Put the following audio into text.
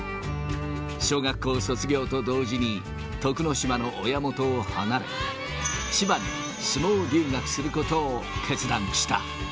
小学校卒業と同時に、徳之島の親元を離れ、千葉に相撲留学することを決断した。